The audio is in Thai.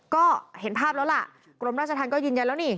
ก็เห็นภาพแล้วล่ะกรมราชธรรมก็ยืนยันแล้วนี่